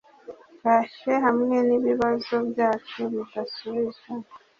kashe hamwe nibibazo byacu bidasubizwa